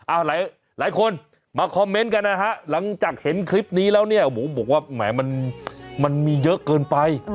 หลายคนมาคอมเมนต์กันนะฮะหลังจากเห็นคลิปนี้แล้วเนี่ยผมบอกว่าแหมมันมีเยอะเกินไป